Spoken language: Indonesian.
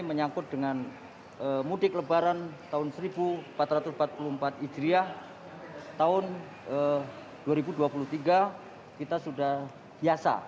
menyangkut dengan mudik lebaran tahun seribu empat ratus empat puluh empat hijriah tahun dua ribu dua puluh tiga kita sudah biasa